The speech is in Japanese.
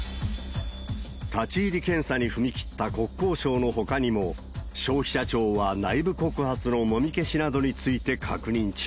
立ち入り検査に踏み切った国交省のほかにも、消費者庁は内部告発のもみ消しなどについて確認中。